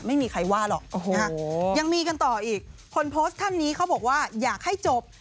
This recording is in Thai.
ไม่มีใครว่าหรอกยังมีกันต่ออีกคนโพสต์ท่านนี้เขาบอกว่าอยากให้จบ